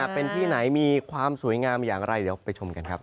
เป็นที่ไหนมีความสวยงามอย่างไรเดี๋ยวไปชมกันครับ